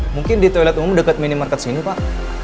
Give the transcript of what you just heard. mungkin di toilet umum dekat minimarket sini pak